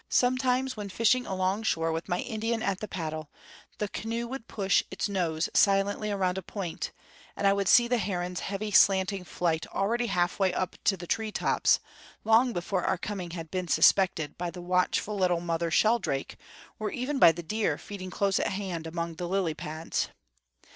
Sometimes, when fishing alongshore with my Indian at the paddle, the canoe would push its nose silently around a point, and I would see the heron's heavy slanting flight already halfway up to the tree tops, long before our coming had been suspected by the watchful little mother sheldrake, or even by the deer feeding close at hand among the lily pads.